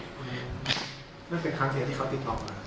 แล้วเป็นครั้งเสียที่เขาติดต่อมานะครับ